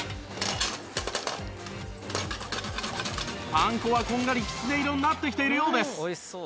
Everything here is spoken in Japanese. パン粉はこんがりきつね色になってきているようです